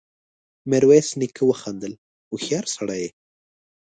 ميرويس نيکه وخندل: هوښيار سړی يې!